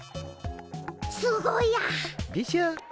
すごいや！でしょ。